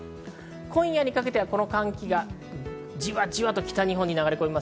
今夜にかけてこの寒気がじわじわと北日本に流れ込みます。